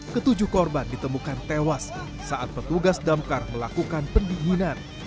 ketujuh korban ditemukan tewas saat petugas damkar melakukan pendinginan